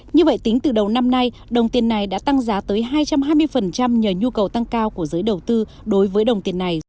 như vậy tính từ đầu năm nay đồng tiền này đã tăng giá tới hai trăm hai mươi nhờ nhu cầu tăng cao của giới đầu tư đối với đồng tiền này